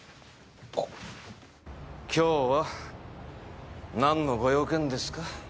今日は何のご用件ですか？